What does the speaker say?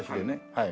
はい。